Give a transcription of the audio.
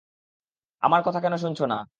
আমার কথা কেন শুনছো না?